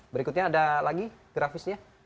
berikutnya ada lagi grafisnya